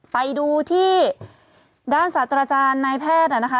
ไปดูที่ด้านศาสตราจารย์นายแพทย์นะคะ